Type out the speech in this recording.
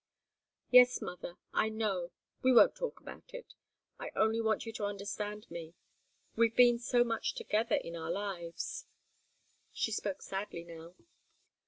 "Yes, mother I know we won't talk about it. I only want you to understand me we've been so much together in our lives." She spoke sadly now.